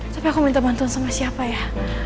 tapi aku minta bantuan sama siapa ya